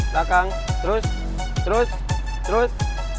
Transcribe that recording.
belakang terus terus terus